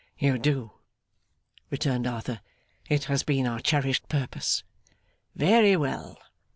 'You do,' returned Arthur. 'It has been our cherished purpose.' 'Very well!